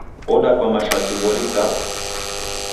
Odakwa mashati w'ori gapu!